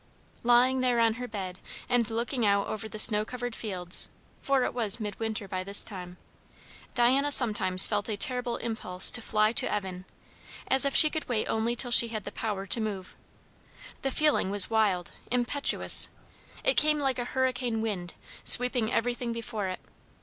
Lying there on her bed and looking out over the snow covered fields, for it was mid winter by this time, Diana sometimes felt a terrible impulse to fly to Evan; as if she could wait only till she had the power to move The feeling was wild, impetuous; it came like a hurricane wind, sweeping everything before it.